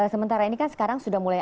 sementara ini kan sekarang sudah mulai